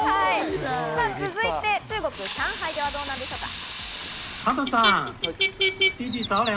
続いて中国・上海ではどうなんでしょうか？